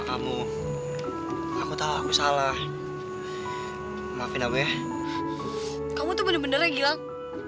kamu tuh bener benernya gilang